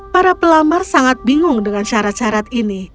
para pelamar sangat bingung dengan syarat syarat ini